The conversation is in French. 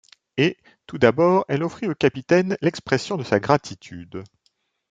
Et, tout d’abord, elle offrit au capitaine l’expression de sa gratitude.